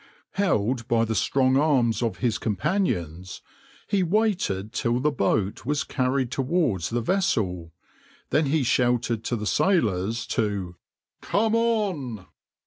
\par Held by the strong arms of his companions he waited till the boat was carried towards the vessel, then he shouted to the sailors' to "come on!"